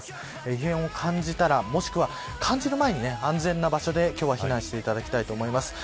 異変を感じたらもしくは、感じる前に安全な場所に今日は避難していただきたいと思います。